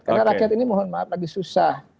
karena rakyat ini mohon maaf lagi susah